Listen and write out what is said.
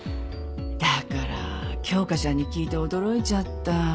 だから京花ちゃんに聞いて驚いちゃった。